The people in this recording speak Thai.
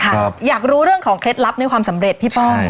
อยากรู้เรื่องของเคล็ดลับในความสำเร็จพี่ป้อง